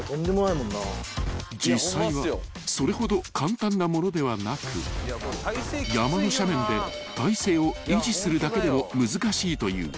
［実際はそれほど簡単なものではなく山の斜面で体勢を維持するだけでも難しいという］